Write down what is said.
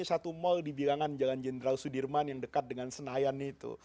masukin satu mal di bilangan jalan jendral sudirman yang dekat dengan senayan itu